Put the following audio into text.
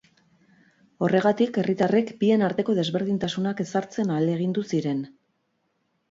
Horregatik, herritarrek bien arteko desberdintasunak ezartzen ahalegindu ziren.